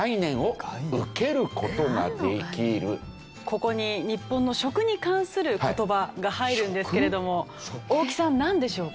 ここに日本の食に関する言葉が入るんですけれども大木さんなんでしょうか？